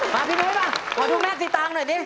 พี่นุ้ยป่ะขอดูแม่สีตางค์หน่อยดิ